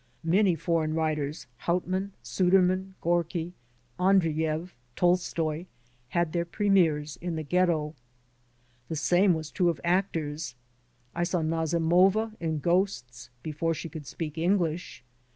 Many foreign writers — ^Hauptmann, Sudermann, Gorky, Andreiyev, Tolstoy — ^had their premieres in the Ghetto. The same was true of actors; I saw Nazimova in "Ghosts'* before she could speak English.